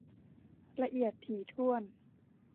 ละเอียดถี่ถ้วน